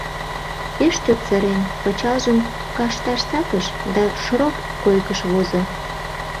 Пеш чот сырен, пычалжым кашташ сакыш да «шроп» койкыш возо.